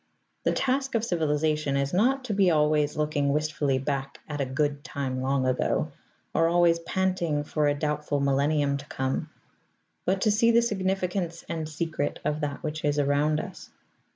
The task of civilization is not to be always looking wistfully back at a Good Time long ago, or always panting for a doubtful millennium to come; but to see the significance and secret of that which is around us.